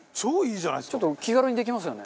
ちょっと気軽にできますよね。